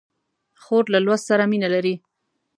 خور له لوست سره مینه لري.